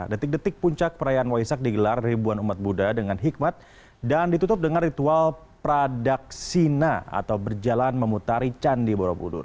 detik detik puncak perayaan waisak digelar ribuan umat buddha dengan hikmat dan ditutup dengan ritual pradaksina atau berjalan memutari candi borobudur